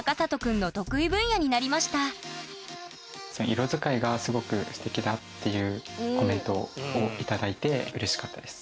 以来「色づかいがすごくステキだ」っていうコメントを頂いてうれしかったです。